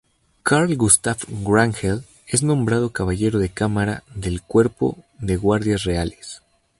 Carl Gustaf Wrangel es nombrado Caballero de Cámara del Cuerpo de Guardias Reales.